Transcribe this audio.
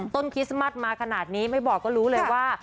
คริสต์มัสมาขนาดนี้ไม่บอกก็รู้เลยว่า